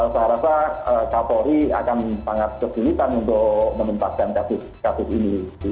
saya rasa kapolri akan sangat kesulitan untuk menuntaskan kasus kasus ini